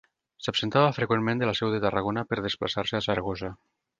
S'absentava freqüentment de la Seu de Tarragona per desplaçar-se a Saragossa.